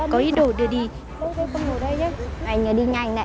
có ý đồ để đưa vào trường hợp này là một đứa trẻ nhìn thấy bạn của mình bị ngơi lạc